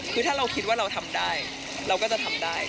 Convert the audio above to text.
คือถ้าเราคิดว่าเราทำได้เราก็จะทำได้